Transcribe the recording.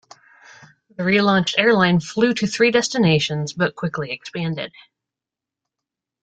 The relaunched airline flew to three destinations, but quickly expanded.